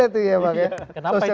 ada tuh ya pak ya